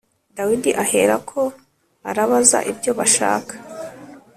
Dawidi aherako arabaza ibyo bashaka